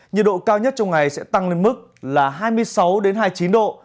nhiệt độ cao nhất trong ngày sẽ tăng lên mức là hai mươi sáu hai mươi chín độ